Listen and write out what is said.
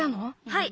はい。